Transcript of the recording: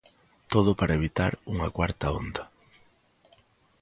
Todo para evitar unha cuarta onda.